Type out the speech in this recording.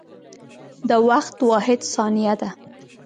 د وخت واحد ثانیه ده.